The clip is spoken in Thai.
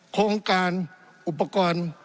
โครงการอุปกรณ์